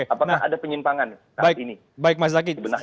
apakah ada penyimpangan saat ini